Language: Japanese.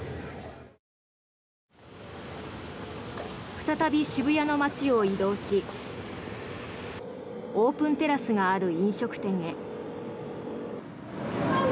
再び渋谷の街を移動しオープンテラスがある飲食店へ。